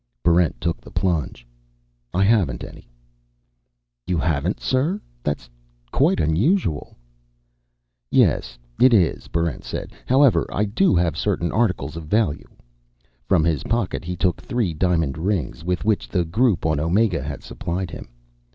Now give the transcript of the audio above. Barrent took the plunge. "I haven't any." "You haven't, sir? That's quite unusual." "Yes, it is," Barrent said. "However, I do have certain articles of value." From his pocket he took three diamond rings with which the Group on Omega had supplied him.